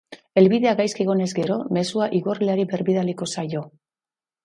Helbidea gaizki egonez gero, mezua igorleari berbidaliko zaio.